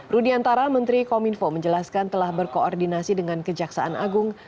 rudiantara menteri kominfo menjelaskan telah berkoordinasi dengan kejaksaan agung